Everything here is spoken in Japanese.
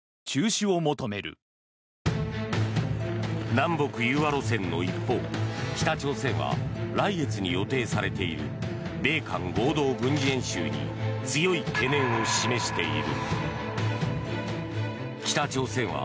南北融和路線の一方北朝鮮は来月に予定されている米韓合同軍事演習に強い懸念を示している。